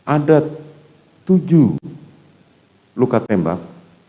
ada tujuh luka tembak